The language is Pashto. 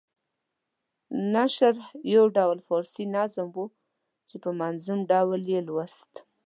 نشرح یو ډول فارسي نظم وو چې په منظوم ډول یې لوست.